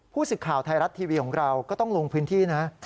สิทธิ์ข่าวไทยรัฐทีวีของเราก็ต้องลงพื้นที่นะ